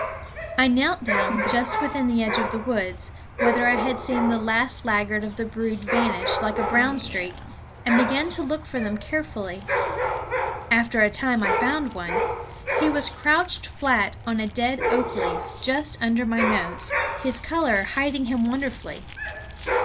I knelt down just within the edge of woods, whither I had seen the last laggard of the brood vanish like a brown streak, and began to look for them carefully. After a time I found one. He was crouched flat on a dead oak leaf, just under my nose, his color hiding him wonderfully.